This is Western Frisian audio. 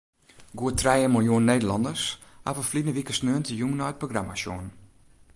Goed trije miljoen Nederlanners hawwe ferline wike sneontejûn nei it programma sjoen.